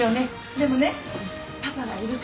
でもねパパがいるから大丈夫。